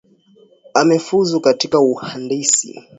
Amefuzu katika uhandisi